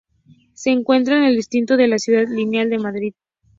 Se encuentra en el Distrito de Ciudad Lineal de Madrid.